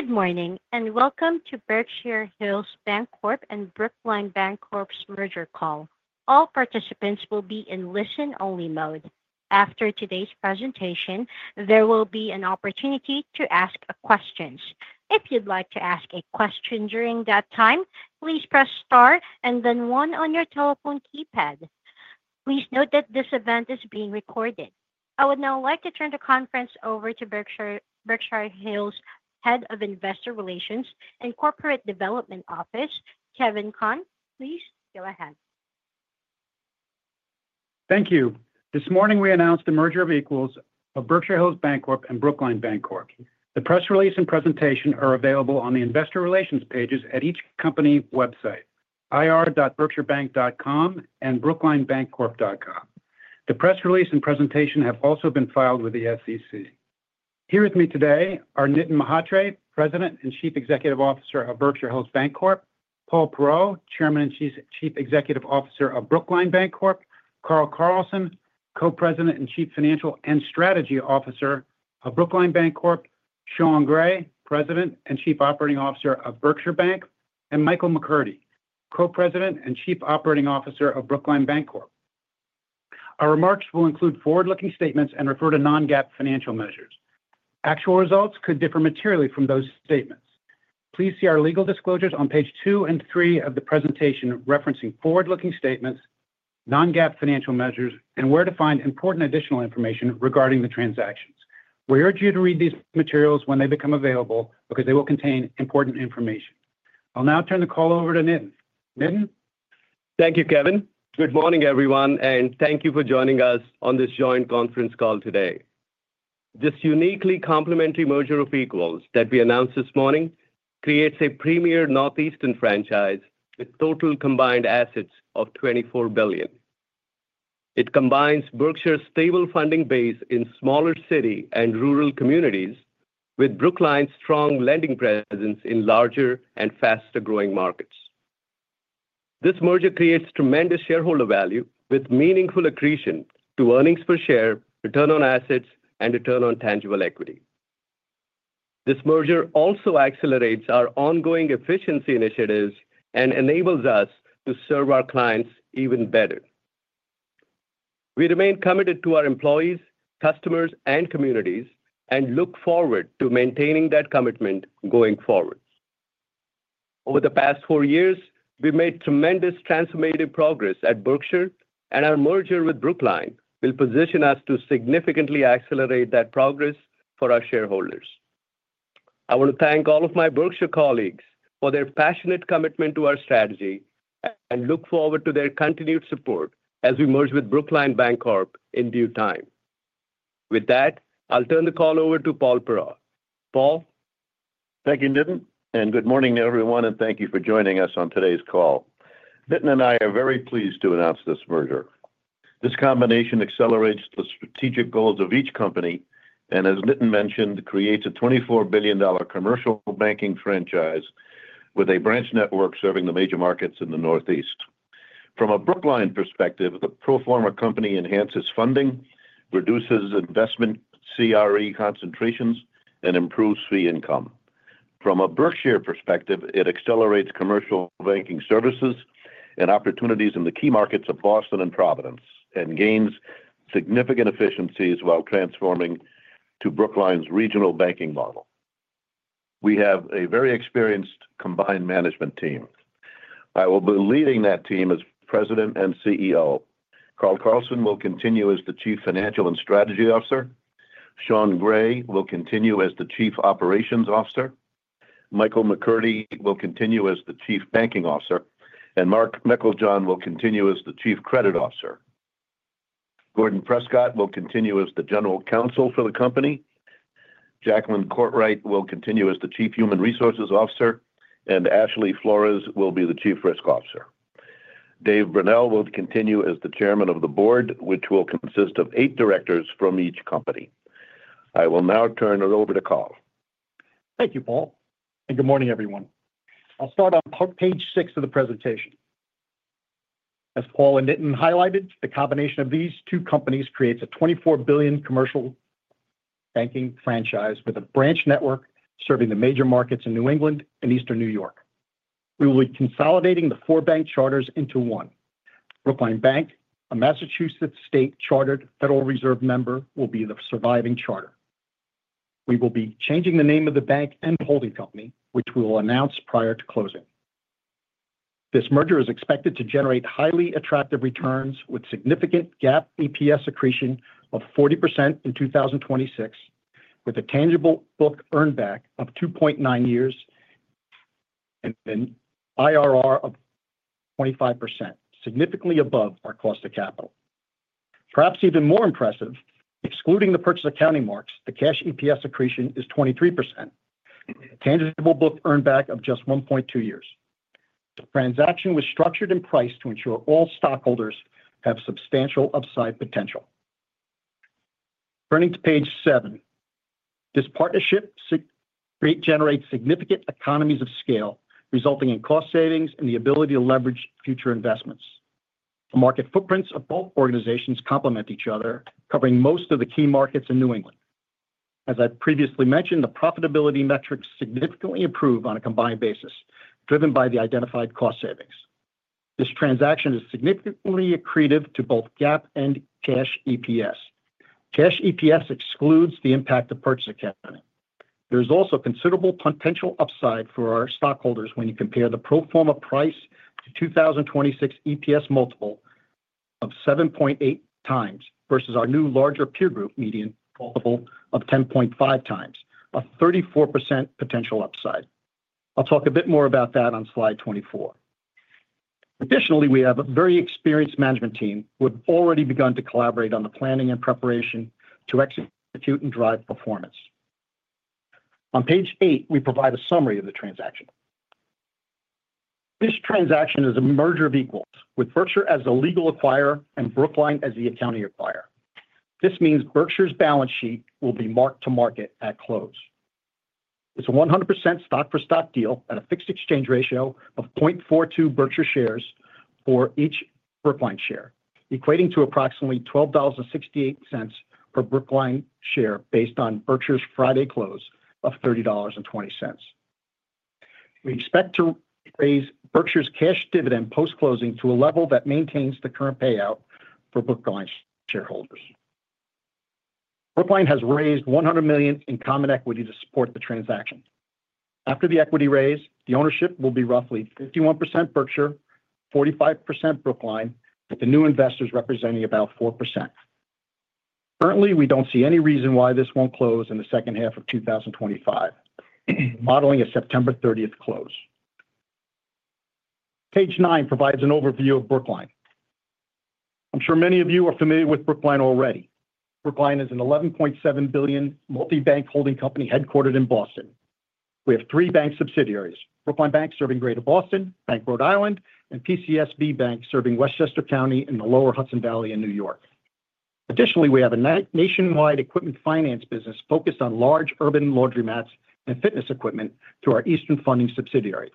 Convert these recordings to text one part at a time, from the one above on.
Good morning and welcome to Berkshire Hills Bancorp and Brookline Bancorp's merger call. All participants will be in listen-only mode. After today's presentation, there will be an opportunity to ask questions. If you'd like to ask a question during that time, please press star and then one on your telephone keypad. Please note that this event is being recorded. I would now like to turn the conference over to Berkshire Hills' Head of Investor Relations and Corporate Development Office, Kevin Conn. Please go ahead. Thank you. This morning, we announced the merger of Berkshire Hills Bancorp and Brookline Bancorp. The press release and presentation are available on the Investor Relations pages at each company's website: ir.berkshirebank.com and brooklinebancorp.com. The press release and presentation have also been filed with the SEC. Here with me today are Nitin Mhatre, President and Chief Executive Officer of Berkshire Hills Bancorp, Paul Perrault, Chairman and Chief Executive Officer of Brookline Bancorp, Carl Carlson, Co-President and Chief Financial and Strategy Officer of Brookline Bancorp, Sean Gray, President and Chief Operating Officer of Berkshire Bank, and Michael McCurdy, Co-President and Chief Operating Officer of Brookline Bancorp. Our remarks will include forward-looking statements and refer to non-GAAP financial measures. Actual results could differ materially from those statements. Please see our legal disclosures on page two and three of the presentation referencing forward-looking statements, Non-GAAP financial measures, and where to find important additional information regarding the transactions. We urge you to read these materials when they become available because they will contain important information. I'll now turn the call over to Nitin. Nitin? Thank you, Kevin. Good morning, everyone, and thank you for joining us on this joint conference call today. This uniquely complementary merger of equals that we announced this morning creates a premier Northeastern franchise with total combined assets of $24 billion. It combines Berkshire's stable funding base in smaller city and rural communities with Brookline's strong lending presence in larger and faster-growing markets. This merger creates tremendous shareholder value with meaningful accretion to earnings per share, return on assets, and return on tangible equity. This merger also accelerates our ongoing efficiency initiatives and enables us to serve our clients even better. We remain committed to our employees, customers, and communities and look forward to maintaining that commitment going forward. Over the past four years, we've made tremendous transformative progress at Berkshire, and our merger with Brookline will position us to significantly accelerate that progress for our shareholders. I want to thank all of my Berkshire colleagues for their passionate commitment to our strategy and look forward to their continued support as we merge with Brookline Bancorp in due time. With that, I'll turn the call over to Paul Perrault. Paul? Thank you, Nitin, and good morning, everyone, and thank you for joining us on today's call. Nitin and I are very pleased to announce this merger. This combination accelerates the strategic goals of each company and, as Nitin mentioned, creates a $24 billion commercial banking franchise with a branch network serving the major markets in the Northeast. From a Brookline perspective, the pro-forma company enhances funding, reduces investment CRE concentrations, and improves fee income. From a Berkshire perspective, it accelerates commercial banking services and opportunities in the key markets of Boston and Providence and gains significant efficiencies while transforming to Brookline's regional banking model. We have a very experienced combined management team. I will be leading that team as President and CEO. Carl Carlson will continue as the Chief Financial and Strategy Officer. Sean Gray will continue as the Chief Operating Officer. Michael McCurdy will continue as the Chief Banking Officer, and Mark Meiklejohn will continue as the Chief Credit Officer. Gordon Prescott will continue as the General Counsel for the company. Jacqueline Courtwright will continue as the Chief Human Resources Officer, and Ashley Follas will be the Chief Risk Officer. David Brunelle will continue as the Chairman of the Board, which will consist of eight directors from each company. I will now turn it over to Carl. Thank you, Paul, and good morning, everyone. I'll start on page six of the presentation. As Paul and Nitin highlighted, the combination of these two companies creates a $24 billion commercial banking franchise with a branch network serving the major markets in New England and Eastern New York. We will be consolidating the four bank charters into one. Brookline Bank, a Massachusetts state chartered Federal Reserve member, will be the surviving charter. We will be changing the name of the bank and holding company, which we will announce prior to closing. This merger is expected to generate highly attractive returns with significant GAAP EPS accretion of 40% in 2026, with a tangible book earnback of 2.9 years and an IRR of 25%, significantly above our cost of capital. Perhaps even more impressive, excluding the purchase accounting marks, the cash EPS accretion is 23%, with a tangible book earnback of just 1.2 years. The transaction was structured and priced to ensure all stockholders have substantial upside potential. Turning to page seven, this partnership generates significant economies of scale, resulting in cost savings and the ability to leverage future investments. The market footprints of both organizations complement each other, covering most of the key markets in New England. As I previously mentioned, the profitability metrics significantly improve on a combined basis, driven by the identified cost savings. This transaction is significantly accretive to both GAAP and cash EPS. Cash EPS excludes the impact of purchase accounting. There is also considerable potential upside for our stockholders when you compare the pro-forma price to 2026 EPS multiple of 7.8 times versus our new larger peer group median multiple of 10.5 times, a 34% potential upside. I'll talk a bit more about that on slide 24. Additionally, we have a very experienced management team who have already begun to collaborate on the planning and preparation to execute and drive performance. On page eight, we provide a summary of the transaction. This transaction is a merger of equals, with Berkshire as the legal acquirer and Brookline as the accounting acquirer. This means Berkshire's balance sheet will be marked to market at close. It's a 100% stock-for-stock deal at a fixed exchange ratio of 0.42 Berkshire shares for each Brookline share, equating to approximately $12.68 per Brookline share based on Berkshire's Friday close of $30.20. We expect to raise Berkshire's cash dividend post-closing to a level that maintains the current payout for Brookline shareholders. Brookline has raised $100 million in common equity to support the transaction. After the equity raise, the ownership will be roughly 51% Berkshire, 45% Brookline, with the new investors representing about 4%. Currently, we don't see any reason why this won't close in the second half of 2025, modeling a September 30th close. Page nine provides an overview of Brookline. I'm sure many of you are familiar with Brookline already. Brookline is an $11.7 billion multi-bank holding company headquartered in Boston. We have three bank subsidiaries: Brookline Bank serving Greater Boston, Bank Rhode Island, and PCSB Bank serving Westchester County in the Lower Hudson Valley in New York. Additionally, we have a nationwide equipment finance business focused on large urban laundromats and fitness equipment through our Eastern Funding subsidiary.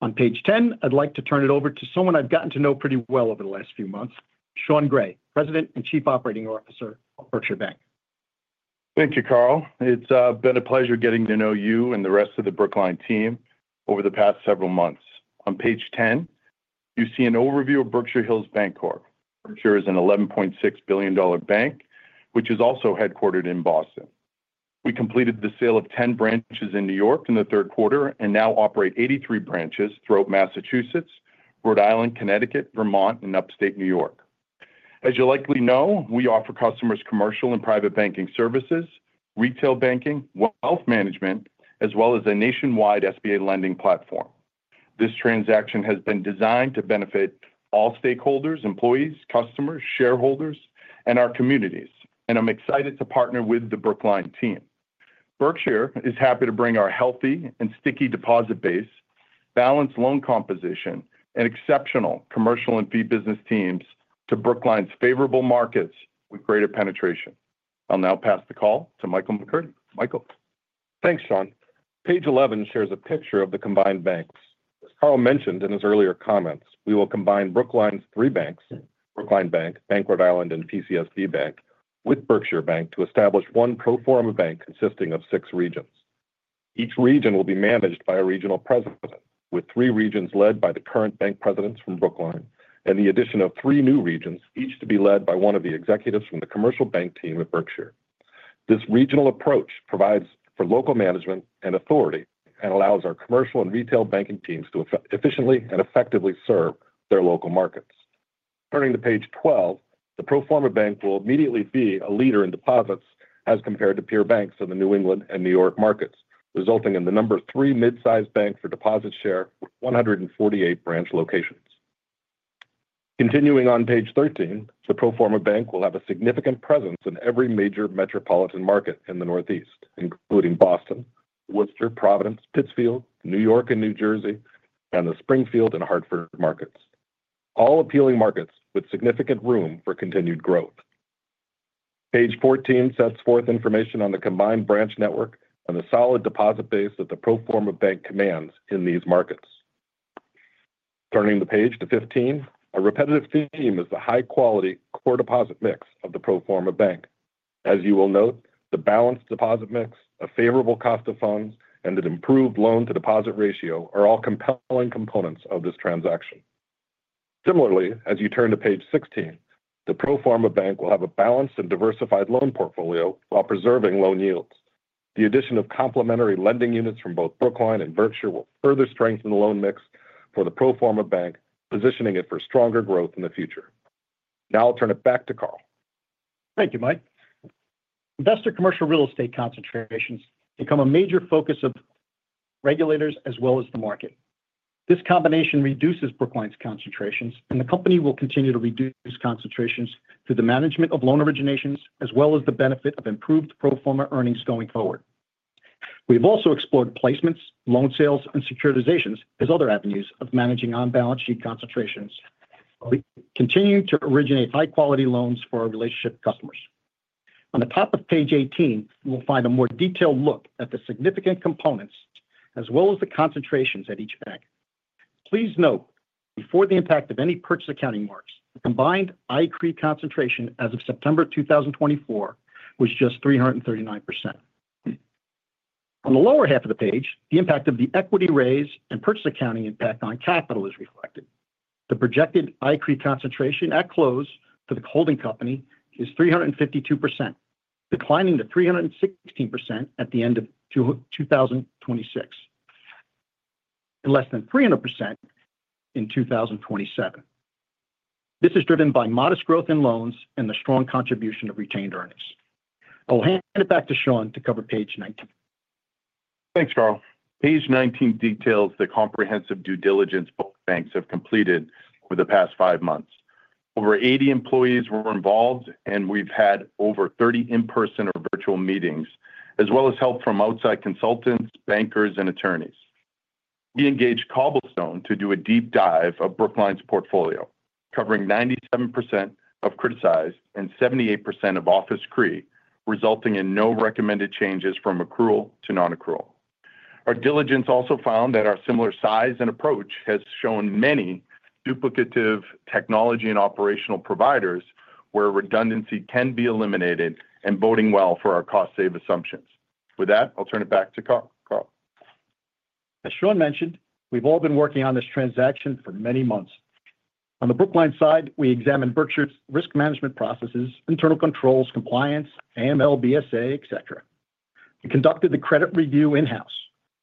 On page ten, I'd like to turn it over to someone I've gotten to know pretty well over the last few months, Sean Gray, President and Chief Operating Officer of Berkshire Bank. Thank you, Carl. It's been a pleasure getting to know you and the rest of the Brookline team over the past several months. On page 10, you see an overview of Berkshire Hills Bancorp. Berkshire is an $11.6 billion bank, which is also headquartered in Boston. We completed the sale of 10 branches in New York in the third quarter and now operate 83 branches throughout Massachusetts, Rhode Island, Connecticut, Vermont, and upstate New York. As you likely know, we offer customers commercial and private banking services, retail banking, wealth management, as well as a nationwide SBA lending platform. This transaction has been designed to benefit all stakeholders, employees, customers, shareholders, and our communities, and I'm excited to partner with the Brookline team. Berkshire is happy to bring our healthy and sticky deposit base, balanced loan composition, and exceptional commercial and fee business teams to Brookline's favorable markets with greater penetration. I'll now pass the call to Michael McCurdy. Michael. Thanks, Sean. Page 11 shares a picture of the combined banks. As Carl mentioned in his earlier comments, we will combine Brookline's three banks: Brookline Bank, Bank Rhode Island, and PCSB Bank with Berkshire Bank to establish one pro-forma bank consisting of six regions. Each region will be managed by a regional president, with three regions led by the current bank presidents from Brookline and the addition of three new regions, each to be led by one of the executives from the commercial bank team at Berkshire. This regional approach provides for local management and authority and allows our commercial and retail banking teams to efficiently and effectively serve their local markets. Turning to page 12, the pro forma bank will immediately be a leader in deposits as compared to peer banks in the New England and New York markets, resulting in the number three mid-size bank for deposit share with 148 branch locations. Continuing on page 13, the pro forma bank will have a significant presence in every major metropolitan market in the Northeast, including Boston, Worcester, Providence, Pittsfield, New York and New Jersey, and the Springfield and Hartford markets. All appealing markets with significant room for continued growth. Page 14 sets forth information on the combined branch network and the solid deposit base that the pro forma bank commands in these markets. Turning the page to 15, a repetitive theme is the high-quality core deposit mix of the pro forma bank. As you will note, the balanced deposit mix, a favorable cost of funds, and an improved loan-to-deposit ratio are all compelling components of this transaction. Similarly, as you turn to page 16, the pro forma bank will have a balanced and diversified loan portfolio while preserving loan yields. The addition of complementary lending units from both Brookline and Berkshire will further strengthen the loan mix for the pro forma bank, positioning it for stronger growth in the future. Now I'll turn it back to Carl. Thank you, Mike. Investor commercial real estate concentrations become a major focus of regulators as well as the market. This combination reduces Brookline's concentrations, and the company will continue to reduce concentrations through the management of loan originations as well as the benefit of improved pro forma earnings going forward. We have also explored placements, loan sales, and securitizations as other avenues of managing on-balance sheet concentrations. We continue to originate high-quality loans for our relationship customers. On the top of page 18, you will find a more detailed look at the significant components as well as the concentrations at each bank. Please note, before the impact of any purchase accounting marks, the combined ICRE concentration as of September 2024 was just 339%. On the lower half of the page, the impact of the equity raise and purchase accounting impact on capital is reflected. The projected ICRE concentration at close to the holding company is 352%, declining to 316% at the end of 2026, and less than 300% in 2027. This is driven by modest growth in loans and the strong contribution of retained earnings. I'll hand it back to Sean to cover page 19. Thanks, Carl. Page 19 details the comprehensive due diligence both banks have completed over the past five months. Over 80 employees were involved, and we've had over 30 in-person or virtual meetings, as well as help from outside consultants, bankers, and attorneys. We engaged Cobblestone to do a deep dive of Brookline's portfolio, covering 97% of criticized and 78% of office CRE, resulting in no recommended changes from accrual to non-accrual. Our diligence also found that our similar size and approach has shown many duplicative technology and operational providers where redundancy can be eliminated and vouching well for our cost savings assumptions. With that, I'll turn it back to Carl. As Sean mentioned, we've all been working on this transaction for many months. On the Brookline side, we examined Berkshire's risk management processes, internal controls, compliance, AML, BSA, et cetera. We conducted the credit review in-house.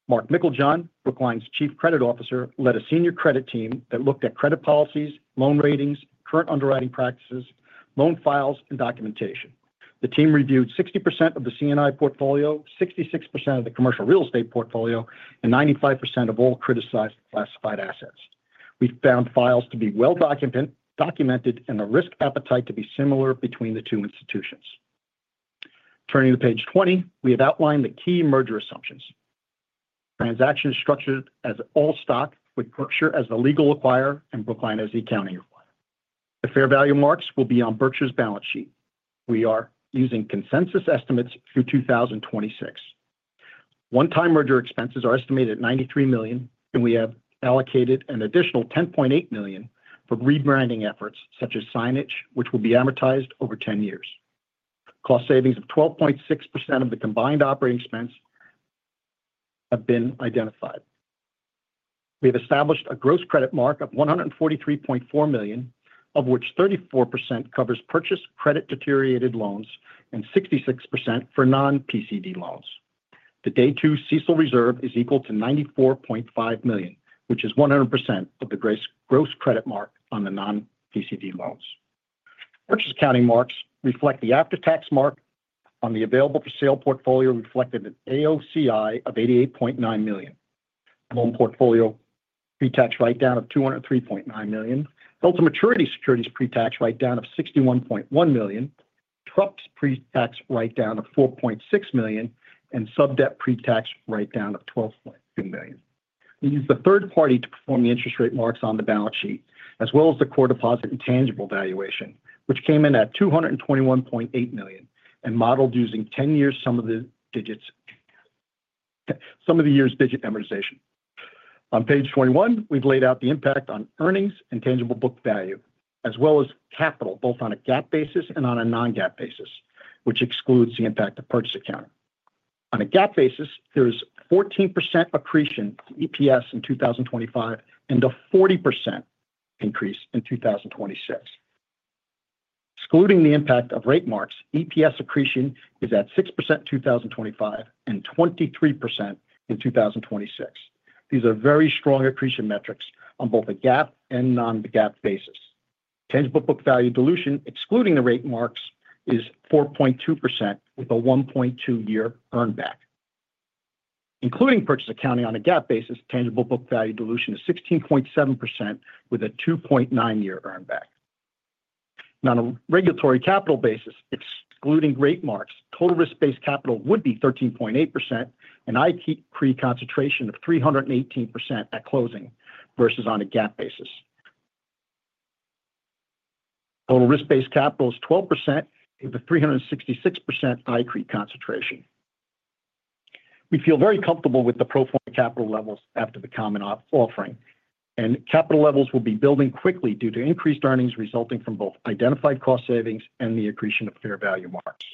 Mark Meiklejohn, Brookline's Chief Credit Officer, led a senior credit team that looked at credit policies, loan ratings, current underwriting practices, loan files, and documentation. The team reviewed 60% of the C&I portfolio, 66% of the commercial real estate portfolio, and 95% of all criticized classified assets. We found files to be well documented and the risk appetite to be similar between the two institutions. Turning to page 20, we have outlined the key merger assumptions. The transaction is structured as all stock with Berkshire as the legal acquirer and Brookline as the accounting acquirer. The fair value marks will be on Berkshire's balance sheet. We are using consensus estimates through 2026. One-time merger expenses are estimated at $93 million, and we have allocated an additional $10.8 million for rebranding efforts such as signage, which will be amortized over 10 years. Cost savings of 12.6% of the combined operating expense have been identified. We have established a gross credit mark of $143.4 million, of which 34% covers purchase credit deteriorated loans and 66% for non-PCD loans. The day-two CECL reserve is equal to $94.5 million, which is 100% of the gross credit mark on the non-PCD loans. Purchase accounting marks reflect the after-tax mark on the available for sale portfolio, reflecting an AOCI of $88.9 million. Loan portfolio pretax write-down of $203.9 million, held-to-maturity securities pretax write-down of $61.1 million, TRUPS pretax write-down of $4.6 million, and subdebt pretax write-down of $12.2 million. We used the third party to perform the interest rate marks on the balance sheet, as well as the core deposit and tangible valuation, which came in at $221.8 million and modeled using 10 years' sum of the digits amortization. On page 21, we've laid out the impact on earnings and tangible book value, as well as capital, both on a GAAP basis and on a non-GAAP basis, which excludes the impact of purchase accounting. On a GAAP basis, there is 14% accretion to EPS in 2025 and a 40% increase in 2026. Excluding the impact of rate marks, EPS accretion is at 6% in 2025 and 23% in 2026. These are very strong accretion metrics on both a GAAP and non-GAAP basis. Tangible book value dilution, excluding the rate marks, is 4.2% with a 1.2-year earnback. Including purchase accounting on a GAAP basis, tangible book value dilution is 16.7% with a 2.9-year earnback. On a regulatory capital basis, excluding rate marks, total risk-based capital would be 13.8% and ICRE concentration of 318% at closing versus on a GAAP basis. Total risk-based capital is 12% with a 366% ICRE concentration. We feel very comfortable with the pro forma capital levels after the common offering, and capital levels will be building quickly due to increased earnings resulting from both identified cost savings and the accretion of fair value marks.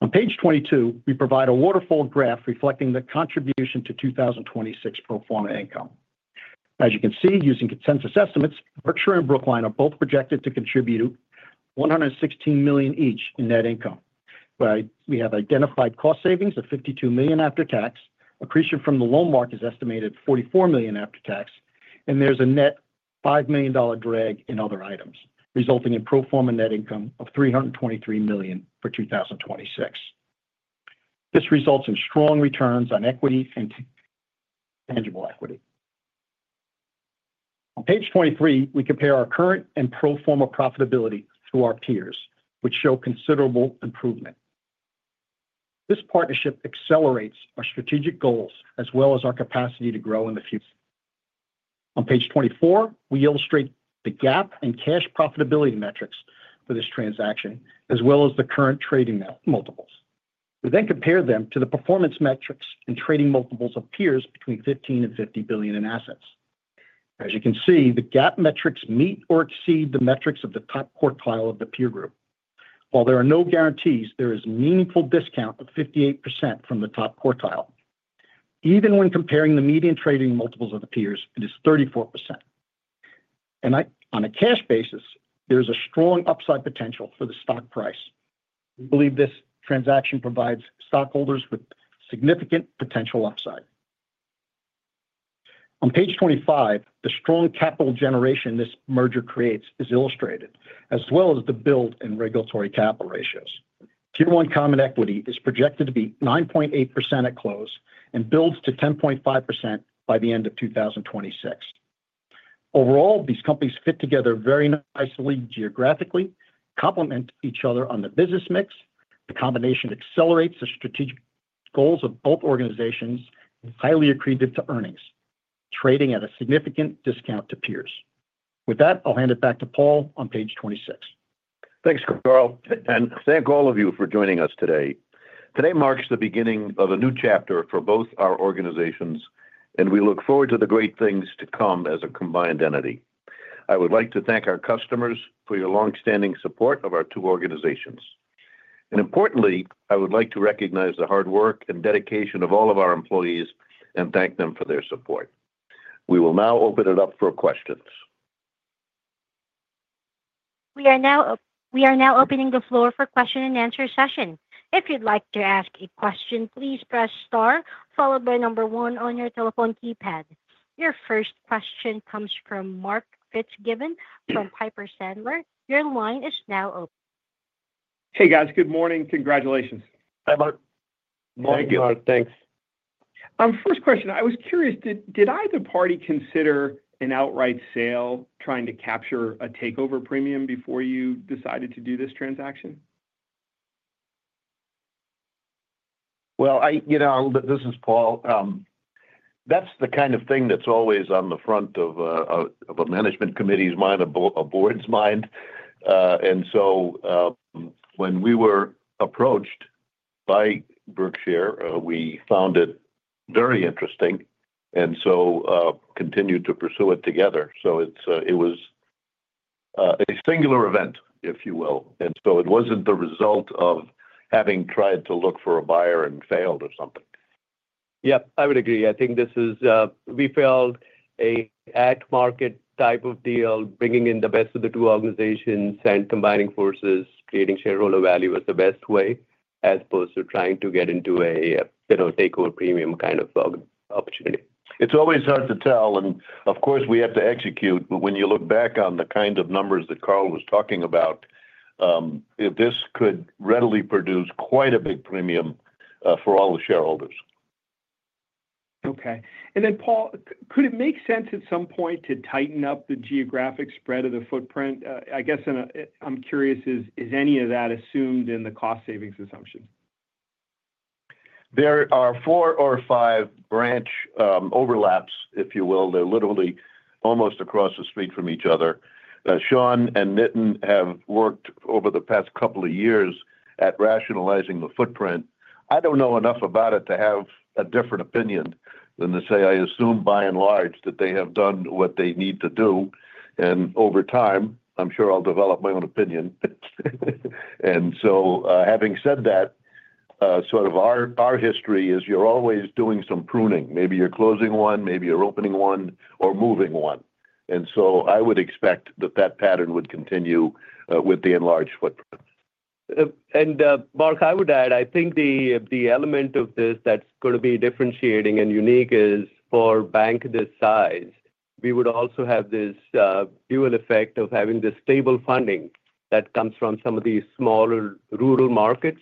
On page 22, we provide a waterfall graph reflecting the contribution to 2026 pro forma income. As you can see, using consensus estimates, Berkshire and Brookline are both projected to contribute $116 million each in net income. We have identified cost savings of $52 million after tax, accretion from the loan mark is estimated at $44 million after tax, and there's a net $5 million drag in other items, resulting in pro-forma net income of $323 million for 2026. This results in strong returns on equity and tangible equity. On page 23, we compare our current and pro-forma profitability through our peers, which show considerable improvement. This partnership accelerates our strategic goals as well as our capacity to grow in the future. On page 24, we illustrate the gap and cash profitability metrics for this transaction, as well as the current trading multiples. We then compare them to the performance metrics and trading multiples of peers between $15 and $50 billion in assets. As you can see, the gap metrics meet or exceed the metrics of the top quartile of the peer group. While there are no guarantees, there is a meaningful discount of 58% from the top quartile. Even when comparing the median trading multiples of the peers, it is 34%. On a cash basis, there is a strong upside potential for the stock price. We believe this transaction provides stockholders with significant potential upside. On page 25, the strong capital generation this merger creates is illustrated, as well as the build and regulatory capital ratios. Tier 1 common equity is projected to be 9.8% at close and builds to 10.5% by the end of 2026. Overall, these companies fit together very nicely geographically, complement each other on the business mix. The combination accelerates the strategic goals of both organizations and is highly accretive to earnings, trading at a significant discount to peers. With that, I'll hand it back to Paul on page 26. Thanks, Carl. And thank all of you for joining us today. Today marks the beginning of a new chapter for both our organizations, and we look forward to the great things to come as a combined entity. I would like to thank our customers for your longstanding support of our two organizations. And importantly, I would like to recognize the hard work and dedication of all of our employees and thank them for their support. We will now open it up for questions. We are now opening the floor for question and answer session. If you'd like to ask a question, please press star followed by number one on your telephone keypad. Your first question comes from Mark Fitzgibbon from Piper Sandler. Your line is now open. Hey, guys. Good morning. Congratulations. Hi, Mark. Thank you, Mark. Thanks. First question, I was curious, did either party consider an outright sale, trying to capture a takeover premium before you decided to do this transaction? This is Paul. That's the kind of thing that's always on the front of a management committee's mind, a board's mind. When we were approached by Berkshire, we found it very interesting and so continued to pursue it together. It was a singular event, if you will. It wasn't the result of having tried to look for a buyer and failed or something. Yep, I would agree. I think this is, we feel, an at-market type of deal, bringing in the best of the two organizations and combining forces, creating shareholder value as the best way as opposed to trying to get into a takeover premium kind of opportunity. It's always hard to tell. And of course, we have to execute. But when you look back on the kind of numbers that Carl was talking about, this could readily produce quite a big premium for all the shareholders. Okay. And then, Paul, could it make sense at some point to tighten up the geographic spread of the footprint? I guess I'm curious, is any of that assumed in the cost savings assumptions? There are four or five branch overlaps, if you will. They're literally almost across the street from each other. Sean and Nitin have worked over the past couple of years at rationalizing the footprint. I don't know enough about it to have a different opinion than to say I assume by and large that they have done what they need to do. And over time, I'm sure I'll develop my own opinion. And so having said that, sort of our history is you're always doing some pruning. Maybe you're closing one, maybe you're opening one, or moving one. And so I would expect that that pattern would continue with the enlarged footprint. Mark, I would add, I think the element of this that's going to be differentiating and unique is for a bank this size, we would also have this dual effect of having this stable funding that comes from some of these smaller rural markets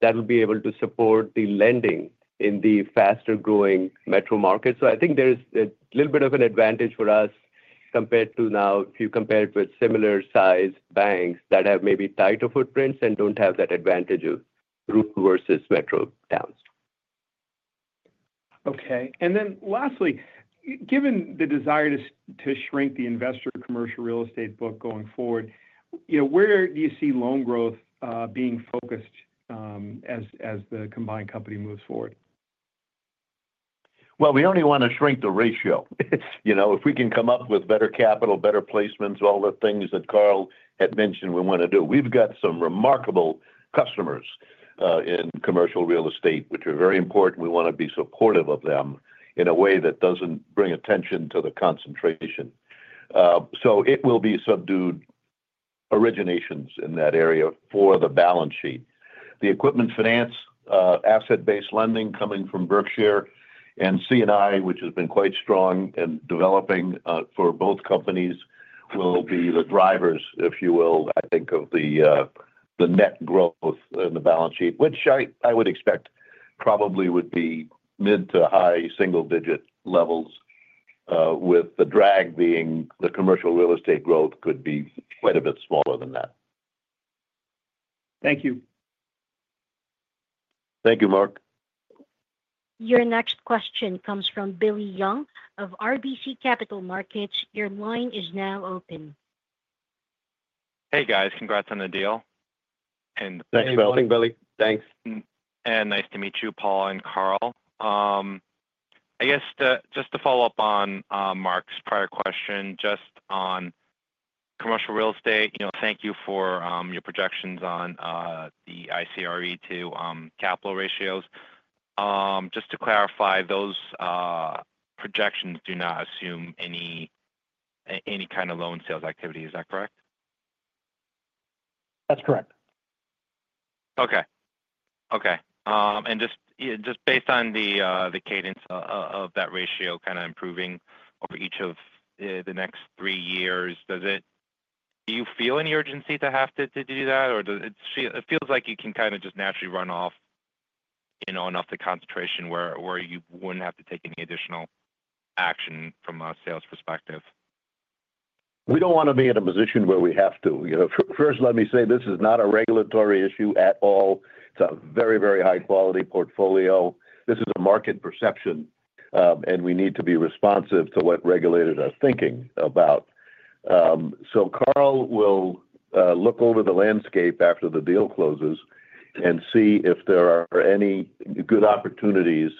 that will be able to support the lending in the faster-growing metro markets. I think there's a little bit of an advantage for us compared to now, if you compare it with similar-sized banks that have maybe tighter footprints and don't have that advantage of rural versus metro towns. Okay. And then lastly, given the desire to shrink the investor commercial real estate book going forward, where do you see loan growth being focused as the combined company moves forward? We only want to shrink the ratio. If we can come up with better capital, better placements, all the things that Carl had mentioned we want to do. We've got some remarkable customers in commercial real estate, which are very important. We want to be supportive of them in a way that doesn't bring attention to the concentration. So it will be subdued originations in that area for the balance sheet. The equipment finance, asset-based lending coming from Berkshire, and C&I, which has been quite strong and developing for both companies, will be the drivers, if you will, I think, of the net growth in the balance sheet, which I would expect probably would be mid to high single-digit levels, with the drag being the commercial real estate growth could be quite a bit smaller than that. Thank you. Thank you, Mark. Your next question comes from Billy Young of RBC Capital Markets. Your line is now open. Hey, guys. Congrats on the deal. Thanks for helping, Billy. Thanks. Nice to meet you, Paul Perrault and Carl Carlson. I guess just to follow up on Mark Fitzgibbon's prior question, just on commercial real estate, thank you for your projections on the ICRE to capital ratios. Just to clarify, those projections do not assume any kind of loan sales activity. Is that correct? That's correct. Just based on the cadence of that ratio kind of improving over each of the next three years, do you feel any urgency to have to do that? Or it feels like you can kind of just naturally run off enough to concentration where you wouldn't have to take any additional action from a sales perspective? We don't want to be in a position where we have to. First, let me say this is not a regulatory issue at all. It's a very, very high-quality portfolio. This is a market perception, and we need to be responsive to what regulators are thinking about. So Carl will look over the landscape after the deal closes and see if there are any good opportunities,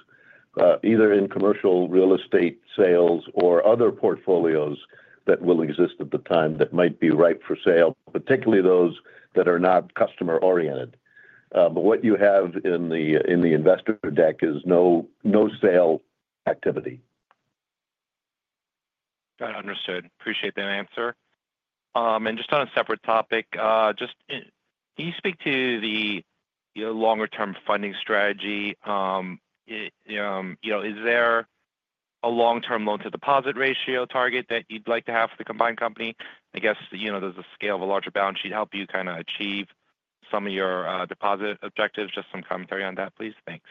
either in commercial real estate sales or other portfolios that will exist at the time that might be ripe for sale, particularly those that are not customer-oriented. But what you have in the investor deck is no sale activity. Got it. Understood. Appreciate that answer. And just on a separate topic, can you speak to the longer-term funding strategy? Is there a long-term loan-to-deposit ratio target that you'd like to have for the combined company? I guess does the scale of a larger balance sheet help you kind of achieve some of your deposit objectives? Just some commentary on that, please. Thanks.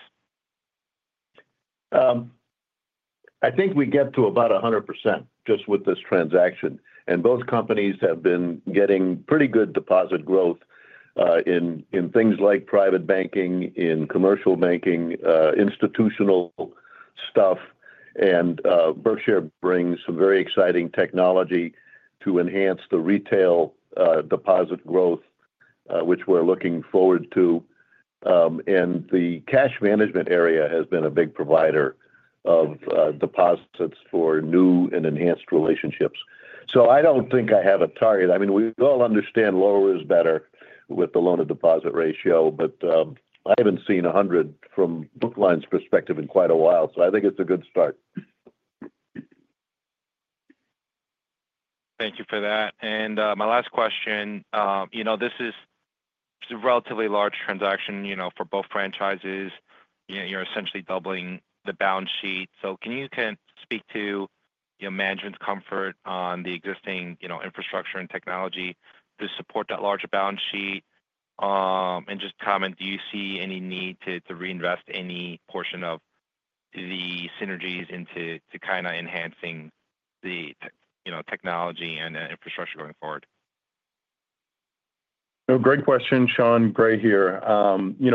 I think we get to about 100% just with this transaction. And both companies have been getting pretty good deposit growth in things like private banking, in commercial banking, institutional stuff. And Berkshire brings some very exciting technology to enhance the retail deposit growth, which we're looking forward to. And the cash management area has been a big provider of deposits for new and enhanced relationships. So I don't think I have a target. I mean, we all understand lower is better with the loan-to-deposit ratio, but I haven't seen 100% from Brookline's perspective in quite a while. So I think it's a good start. Thank you for that, and my last question, this is a relatively large transaction for both franchises. You're essentially doubling the balance sheet, so can you kind of speak to management's comfort on the existing infrastructure and technology to support that larger balance sheet? And just comment, do you see any need to reinvest any portion of the synergies into kind of enhancing the technology and infrastructure going forward? Great question, Sean Gray here.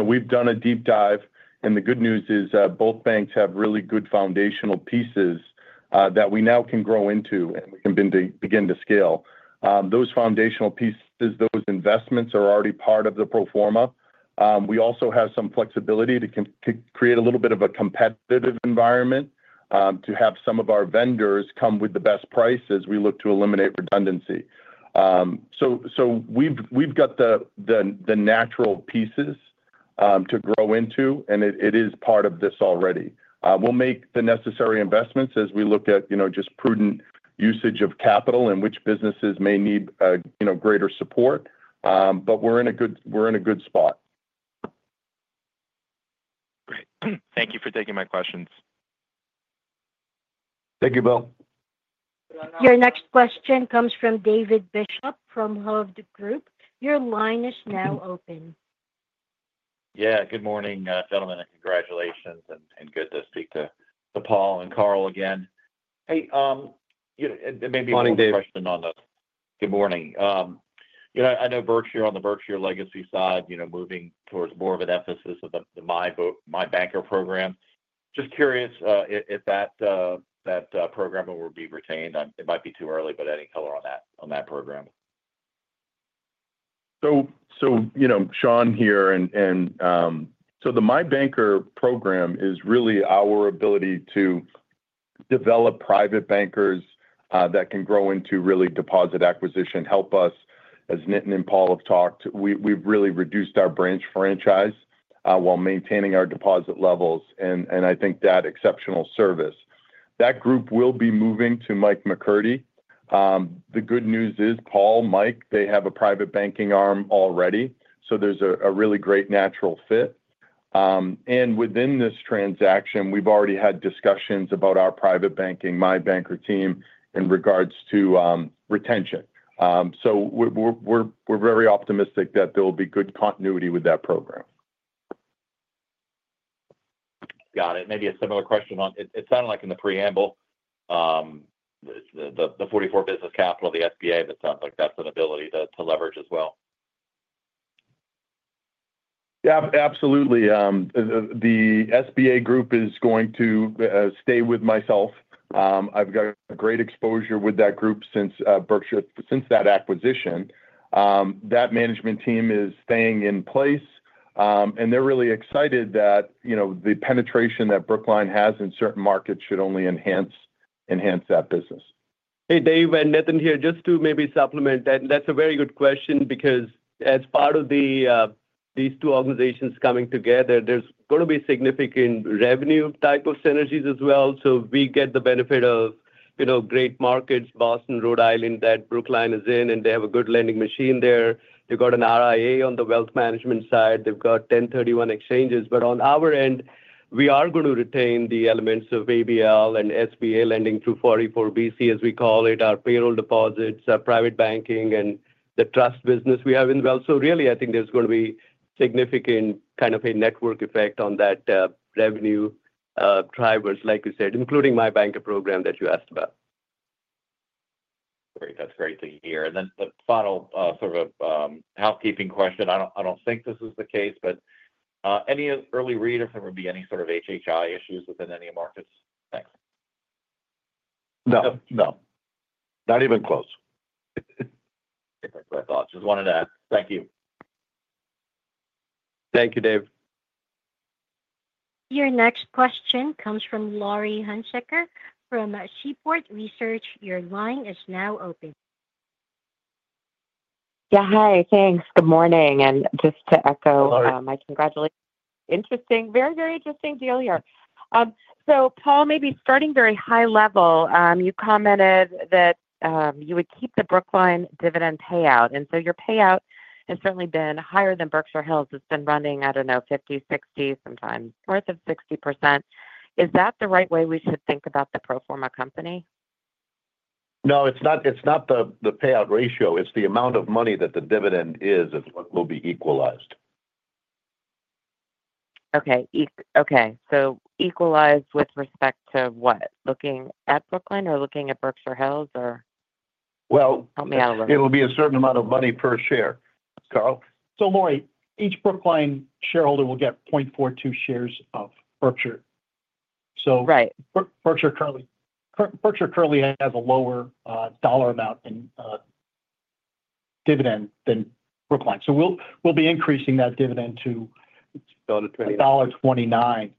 We've done a deep dive, and the good news is both banks have really good foundational pieces that we now can grow into and begin to scale. Those foundational pieces, those investments are already part of the pro forma. We also have some flexibility to create a little bit of a competitive environment to have some of our vendors come with the best price as we look to eliminate redundancy, so we've got the natural pieces to grow into, and it is part of this already. We'll make the necessary investments as we look at just prudent usage of capital and which businesses may need greater support, but we're in a good spot. Great. Thank you for taking my questions. Thank you, Bill. Your next question comes from David Bishop from Hovde Group. Your line is now open. Yeah. Good morning, gentlemen. And congratulations. And good to speak to Paul and Carl again. Hey, maybe one more question on the. Morning, David. Good morning. I know you're on the Berkshire Legacy side, moving towards more of an emphasis of the My Banker program. Just curious if that program will be retained. It might be too early, but adding color on that program. So, Sean here. And so the My Banker program is really our ability to develop private bankers that can grow into really deposit acquisition, help us, as Nitin and Paul have talked. We've really reduced our branch franchise while maintaining our deposit levels. And I think that exceptional service. That group will be moving to Mike McCurdy. The good news is Paul, Mike, they have a private banking arm already. So there's a really great natural fit. And within this transaction, we've already had discussions about our private banking, My Banker team in regards to retention. So we're very optimistic that there will be good continuity with that program. Got it. Maybe a similar question. It sounded like in the preamble, the 44 Business Capital, the SBA, that sounds like that's an ability to leverage as well. Yeah, absolutely. The SBA group is going to stay with myself. I've got great exposure with that group since Berkshire, since that acquisition. That management team is staying in place. And they're really excited that the penetration that Brookline has in certain markets should only enhance that business. Hey, Dave and Nitin here, just to maybe supplement that. That's a very good question because as part of these two organizations coming together, there's going to be significant revenue type of synergies as well. So we get the benefit of great markets, Boston, Rhode Island, that Brookline is in, and they have a good lending machine there. They've got an RIA on the wealth management side. They've got 1031 exchanges. But on our end, we are going to retain the elements of ABL and SBA lending through 44 BC, as we call it, our payroll deposits, our private banking, and the trust business we have in the wealth. So really, I think there's going to be significant kind of a network effect on that revenue drivers, like you said, including My Banker program that you asked about. Great. That's great to hear. And then the final sort of housekeeping question. I don't think this is the case, but any early read if there would be any sort of HHI issues within any markets? Thanks. No. No. Not even close. Different thoughts. Just wanted to ask. Thank you. Thank you, Dave. Your next question comes from Lori Hunsaker from Seaport Research Partners. Your line is now open. Yeah. Hi. Thanks. Good morning, and just to echo. Good morning. My congratulations. Interesting. Very, very interesting deal here. So Paul, maybe starting very high level, you commented that you would keep the Brookline dividend payout. And so your payout has certainly been higher than Berkshire Hills. It's been running, I don't know, 50%, 60%, sometimes north of 60%. Is that the right way we should think about the pro forma company? No, it's not the payout ratio. It's the amount of money that the dividend is that will be equalized. Okay. Okay. So equalized with respect to what? Looking at Brookline or looking at Berkshire Hills or help me out a little bit? It'll be a certain amount of money per share, Carl. Lori, each Brookline shareholder will get 0.42 shares of Berkshire. Berkshire currently has a lower dollar amount in dividend than Brookline. We'll be increasing that dividend to $1.29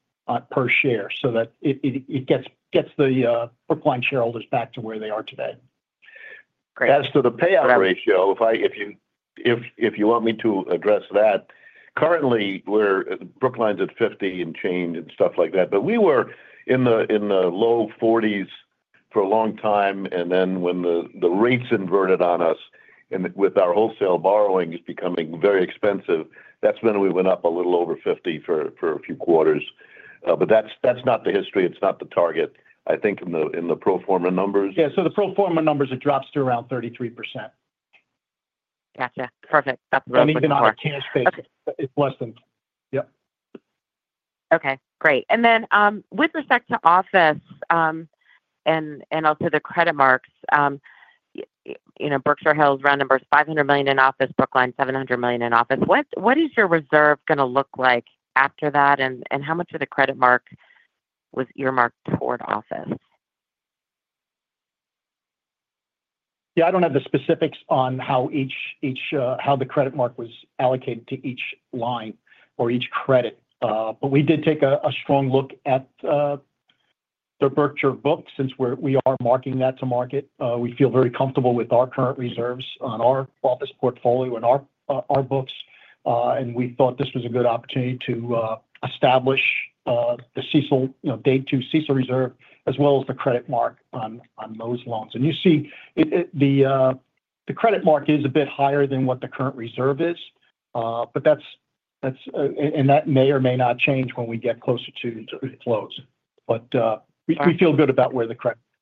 per share so that it gets the Brookline shareholders back to where they are today. Great. As to the payout ratio, if you want me to address that, currently, Brookline's at 50 and change and stuff like that. But we were in the low 40s for a long time. And then when the rates inverted on us with our wholesale borrowings becoming very expensive, that's when we went up a little over 50 for a few quarters. But that's not the history. It's not the target, I think, in the pro forma numbers. Yeah, so the pro forma numbers have dropped to around 33%. Gotcha. Perfect. That's really smart. Even our cash base, it's less than. Yep. Okay. Great. And then with respect to office and also the credit marks, Berkshire Hills round numbers, $500 million in office, Brookline $700 million in office. What is your reserve going to look like after that? And how much of the credit mark was earmarked toward office? Yeah. I don't have the specifics on how the credit mark was allocated to each line or each credit, but we did take a strong look at the Berkshire books since we are marking that to market. We feel very comfortable with our current reserves on our office portfolio and our books, and we thought this was a good opportunity to establish the day-two CECL reserve as well as the credit mark on those loans, and you see the credit mark is a bit higher than what the current reserve is, and that may or may not change when we get closer to close, but we feel good about where the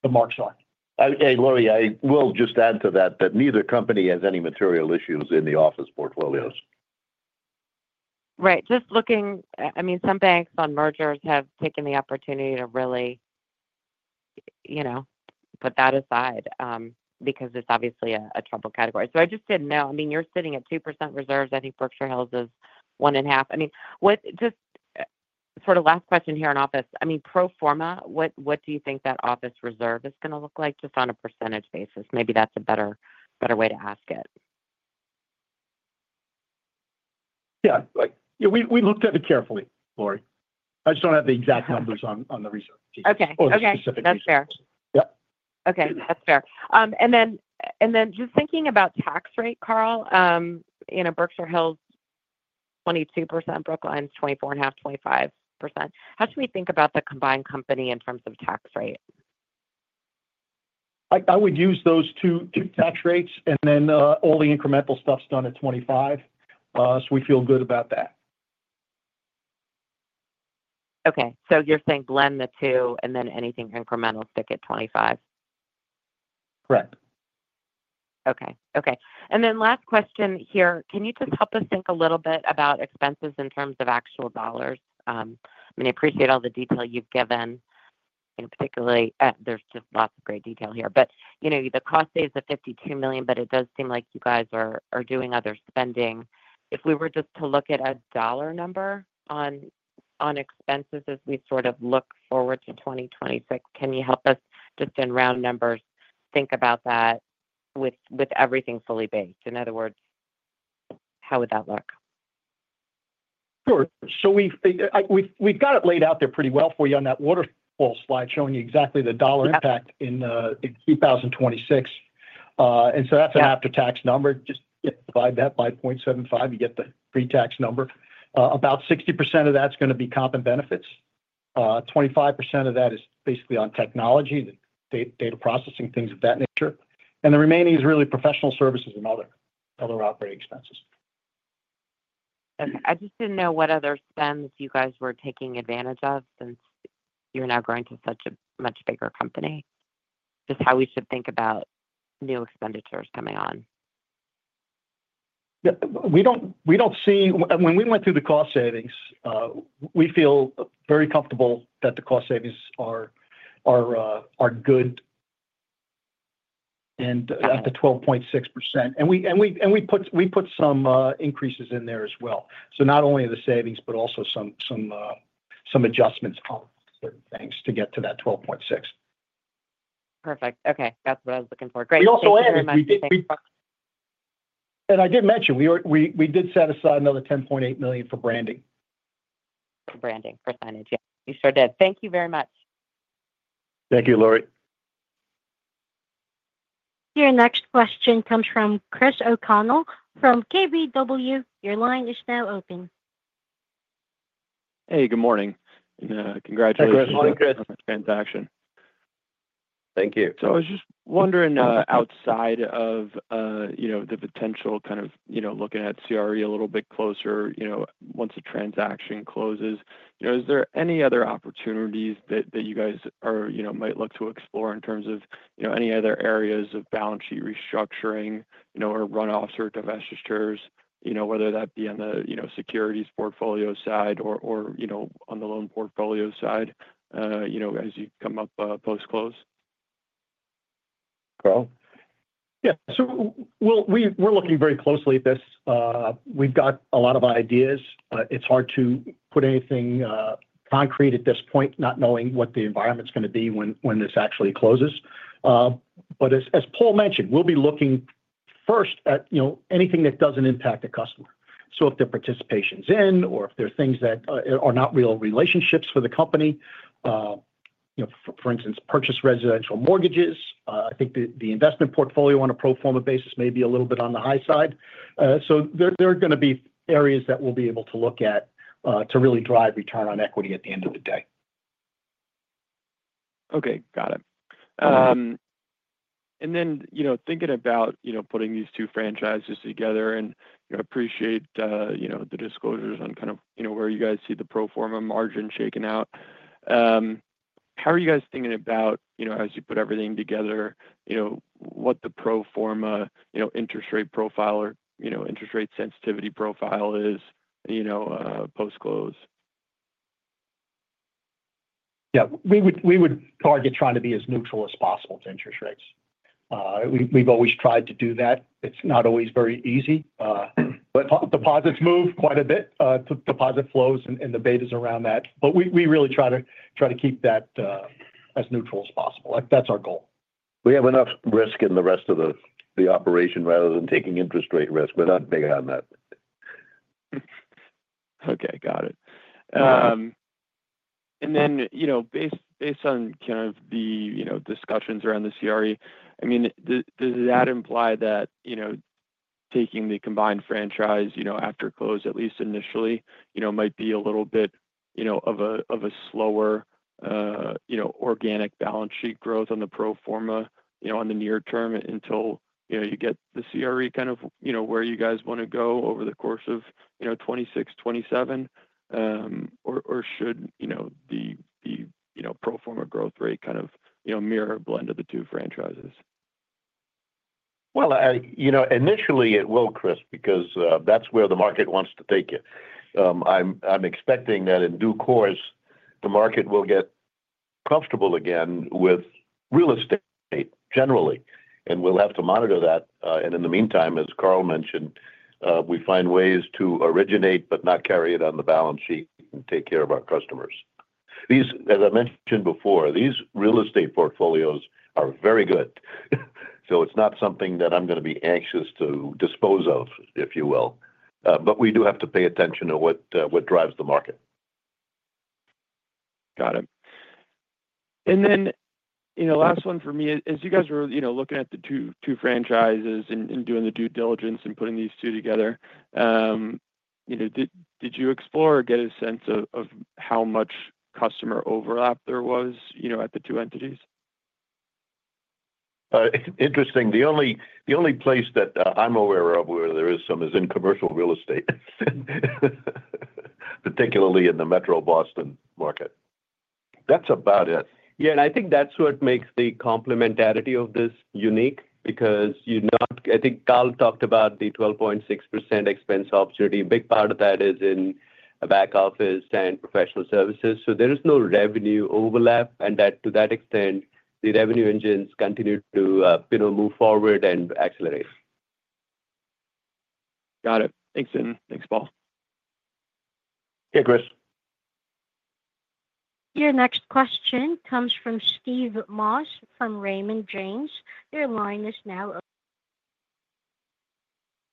marks are. Okay. Lori, I will just add to that that neither company has any material issues in the office portfolios. Right. Just looking, I mean, some banks on mergers have taken the opportunity to really put that aside because it's obviously a troubled category. So I just didn't know. I mean, you're sitting at 2% reserves. I think Berkshire Hills is 1.5%. I mean, just sort of last question here on office. I mean, pro forma, what do you think that office reserve is going to look like just on a percentage basis? Maybe that's a better way to ask it. Yeah. We looked at it carefully, Lori. I just don't have the exact numbers on the research piece. Okay. Okay. That's fair. Yep. Okay. That's fair. And then just thinking about tax rate, Carl, Berkshire Hills 22%, Brookline 24.5%-25%. How should we think about the combined company in terms of tax rate? I would use those two tax rates and then all the incremental stuff's done at 25. So we feel good about that. Okay. So you're saying blend the two and then anything incremental stick at 25? Correct. Okay. Okay. And then last question here. Can you just help us think a little bit about expenses in terms of actual dollars? I mean, I appreciate all the detail you've given, particularly there's just lots of great detail here. But the cost stays at $52 million, but it does seem like you guys are doing other spending. If we were just to look at a dollar number on expenses as we sort of look forward to 2026, can you help us just in round numbers think about that with everything fully based? In other words, how would that look? Sure. So we've got it laid out there pretty well for you on that waterfall slide showing you exactly the dollar impact in 2026. And so that's an after-tax number. Just divide that by 0.75, you get the pre-tax number. About 60% of that's going to be comp and benefits. 25% of that is basically on technology, data processing, things of that nature. And the remaining is really professional services and other operating expenses. I just didn't know what other spends you guys were taking advantage of since you're now growing to such a much bigger company. Just how we should think about new expenditures coming on. Yeah. We don't see when we went through the cost savings, we feel very comfortable that the cost savings are good and at the 12.6%. And we put some increases in there as well. So not only the savings, but also some adjustments on certain things to get to that 12.6%. Perfect. Okay. That's what I was looking for. Great. Thank you very much. I did mention, we did set aside another $10.8 million for branding. For branding. Percentage. Yeah. You sure did. Thank you very much. Thank you, Lori. Your next question comes from Chris O'Connell from KBW. Your line is now open. Hey, good morning, and congratulations on the transaction. Thank you. I was just wondering outside of the potential kind of looking at CRE a little bit closer once the transaction closes, is there any other opportunities that you guys might look to explore in terms of any other areas of balance sheet restructuring or runoffs or divestitures, whether that be on the securities portfolio side or on the loan portfolio side as you come up post-close? Carl? Yeah, so we're looking very closely at this. We've got a lot of ideas. It's hard to put anything concrete at this point, not knowing what the environment's going to be when this actually closes, but as Paul mentioned, we'll be looking first at anything that doesn't impact a customer, so if their participations in or if there are things that are not real relationships for the company, for instance, purchased residential mortgages, I think the investment portfolio on a pro forma basis may be a little bit on the high side, so there are going to be areas that we'll be able to look at to really drive return on equity at the end of the day. Okay. Got it. And then thinking about putting these two franchises together, and I appreciate the disclosures on kind of where you guys see the pro forma margin shaken out. How are you guys thinking about, as you put everything together, what the pro forma interest rate profile or interest rate sensitivity profile is post-close? Yeah. We would target trying to be as neutral as possible to interest rates. We've always tried to do that. It's not always very easy. Deposits move quite a bit. Deposit flows and the betas around that. But we really try to keep that as neutral as possible. That's our goal. We have enough risk in the rest of the operation rather than taking interest rate risk. We're not big on that. Okay. Got it. And then based on kind of the discussions around the CRE, I mean, does that imply that taking the combined franchise after close, at least initially, might be a little bit of a slower organic balance sheet growth on the pro forma on the near term until you get the CRE kind of where you guys want to go over the course of 2026, 2027? Or should the pro forma growth rate kind of mirror a blend of the two franchises? Initially, it will, Chris, because that's where the market wants to take it. I'm expecting that in due course, the market will get comfortable again with real estate generally. We'll have to monitor that. In the meantime, as Carl mentioned, we find ways to originate but not carry it on the balance sheet and take care of our customers. As I mentioned before, these real estate portfolios are very good. It's not something that I'm going to be anxious to dispose of, if you will. We do have to pay attention to what drives the market. Got it. And then last one for me is, as you guys were looking at the two franchises and doing the due diligence and putting these two together, did you explore or get a sense of how much customer overlap there was at the two entities? It's interesting. The only place that I'm aware of where there is some is in commercial real estate, particularly in the Metro Boston market. That's about it. Yeah. And I think that's what makes the complementarity of this unique because I think Carl talked about the 12.6% expense opportunity. A big part of that is in a back office and professional services. So there is no revenue overlap. And to that extent, the revenue engines continue to move forward and accelerate. Got it. Thanks, Dan. Thanks, Paul. Yeah, Chris. Your next question comes from Steve Moss from Raymond James. Your line is now.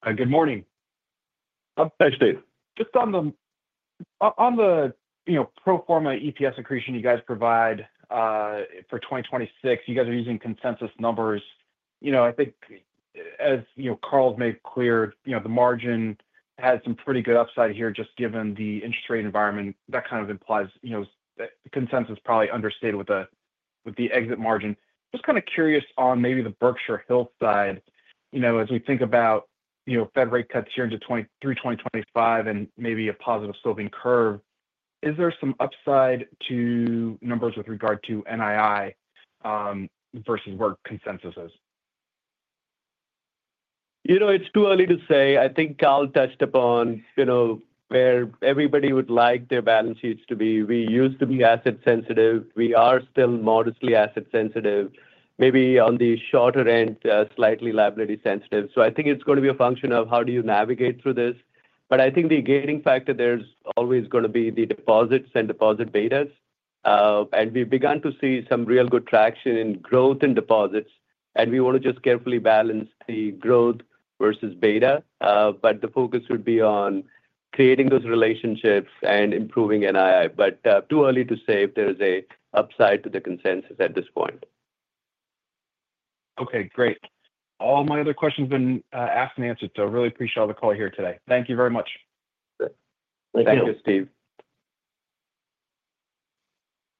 Good morning. Hi, Steve. Just on the pro forma EPS accretion you guys provide for 2026, you guys are using consensus numbers. I think, as Carl's made clear, the margin has some pretty good upside here just given the interest rate environment. That kind of implies consensus probably understated with the exit margin. Just kind of curious on maybe the Berkshire Hills side. As we think about Fed rate cuts here into through 2025 and maybe a positive sloping curve, is there some upside to numbers with regard to NII versus where consensus is? It's too early to say. I think Carl touched upon where everybody would like their balance sheets to be. We used to be asset-sensitive. We are still modestly asset-sensitive. Maybe on the shorter end, slightly liability-sensitive. So I think it's going to be a function of how do you navigate through this. But I think the gating factor there is always going to be the deposits and deposit betas. And we've begun to see some real good traction in growth in deposits. And we want to just carefully balance the growth versus beta. But the focus would be on creating those relationships and improving NII. But too early to say if there is an upside to the consensus at this point. Okay. Great. All my other questions have been asked and answered. So I really appreciate all the call here today. Thank you very much. Thank you, Steve.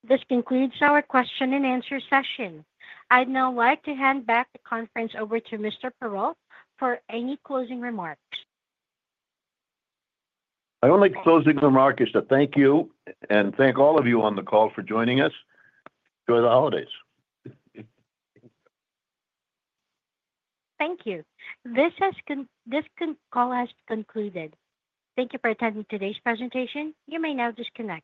This concludes our question and answer session. I'd now like to hand back the conference over to Mr. Perrault for any closing remarks. My only closing remark is to thank you and thank all of you on the call for joining us. Enjoy the holidays. Thank you. This call has concluded. Thank you for attending today's presentation. You may now disconnect.